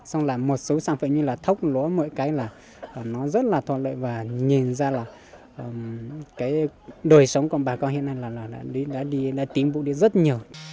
xong là một số sản phẩm như là thốc lúa mỗi cái là nó rất là thuận lợi và nhìn ra là cái đời sống của bà con hiện nay là đã đi tín vụ đi rất nhiều